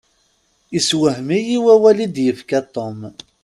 Iswahem-iyi awal i d-yefka Tom.